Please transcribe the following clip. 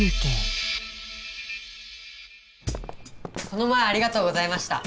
この前ありがとうございました。